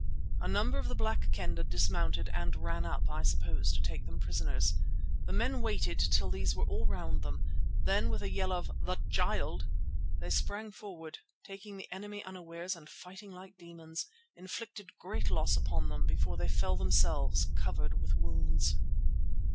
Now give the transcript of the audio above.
A number of the Black Kendah dismounted and ran up, I suppose to take them prisoners. The men waited till these were all round them. Then with a yell of "The Child!" they sprang forward, taking the enemy unawares and fighting like demons, inflicted great loss upon them before they fell themselves covered with wounds.